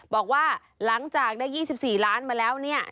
บอกว่าหลังจากได้๒๔ล้านมาแล้วเนี่ย